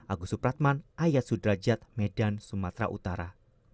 agus supratman ayat sudrajat medan sumatera utara